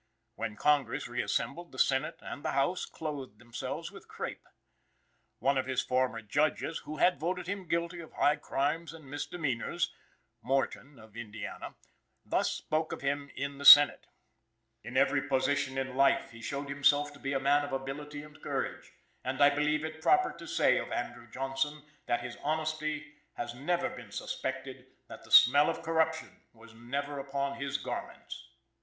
When Congress reassembled, the Senate and the House clothed themselves with crape. One of his former judges, who had voted him guilty of high crimes and misdemeanors (Morton, of Indiana), thus spoke of him in the Senate: "In every position in life he showed himself to be a man of ability and courage, and I believe it proper to say of Andrew Johnson that his honesty has never been suspected; that the smell of corruption was never upon his garments."